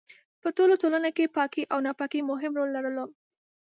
په ټولو ټولنو کې پاکي او ناپاکي مهم رول لرلو.